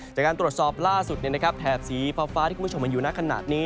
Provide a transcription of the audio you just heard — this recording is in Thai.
จากการตรวจสอบล่าสุดแถบสีฟ้าที่คุณผู้ชมเห็นอยู่ในขณะนี้